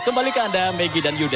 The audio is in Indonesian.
kembali ke anda maggie dan yuda